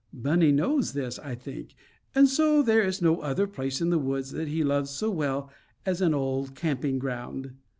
Bunny knows this, I think; and so there is no other place in the woods that he loves so well as an old camping ground.